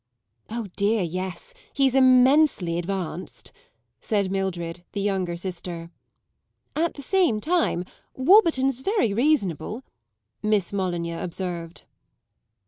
"Oh dear, yes; he's immensely advanced," said Mildred, the younger sister. "At the same time Warburton's very reasonable," Miss Molyneux observed.